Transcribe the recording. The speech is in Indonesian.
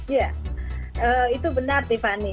ya itu benar pipani